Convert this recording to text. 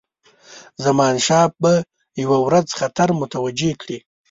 زمانشاه به یو ورځ خطر متوجه کړي.